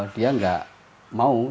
dia tidak mau